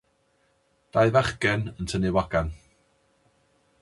Dau fachgen yn tynnu wagen.